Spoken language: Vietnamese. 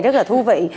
rất là thú vị